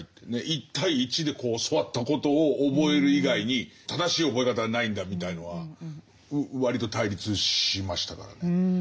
一対一で教わったことを覚える以外に正しい覚え方はないんだみたいのは割と対立しましたからね。